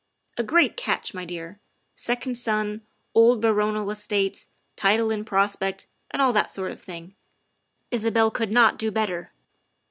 A great catch, my dear. Second son, old baronial estates, title in prospect, and all that sort of thing. Isabel could not do better.